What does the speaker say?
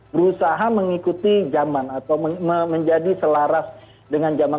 berusaha mengikuti zaman atau menjadi selaras dengan zaman